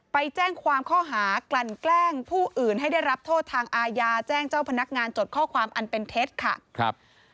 ไปแจ้งความข้อหากลั่นแกล้งผู้อื่นให้ได้รับโทษทางอาญาแจ้งเจ้าพนักงานจดข้อความอันเป็นเท็จค่ะครับ